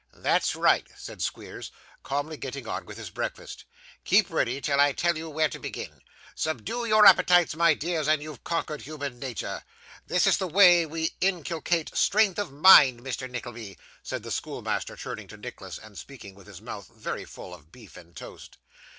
'That's right,' said Squeers, calmly getting on with his breakfast; 'keep ready till I tell you to begin. Subdue your appetites, my dears, and you've conquered human natur. This is the way we inculcate strength of mind, Mr. Nickleby,' said the schoolmaster, turning to Nicholas, and speaking with his mouth very full of beef and toast.